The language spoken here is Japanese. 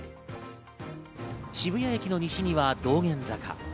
渋谷駅の西には道玄坂。